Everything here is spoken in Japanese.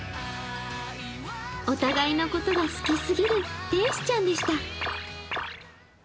お互いのことが好きすぎる天使ちゃんでした。